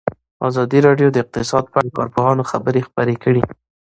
ازادي راډیو د اقتصاد په اړه د کارپوهانو خبرې خپرې کړي.